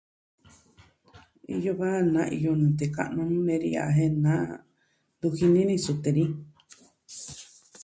Iyo va na iyo nute ka'nu nuu nee ni a jen na, ntu jini ni sute ni.